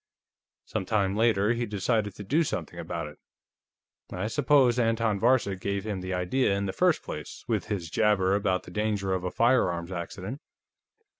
Some time later, he decided to do something about it. I suppose Anton Varcek gave him the idea, in the first place, with his jabber about the danger of a firearms accident.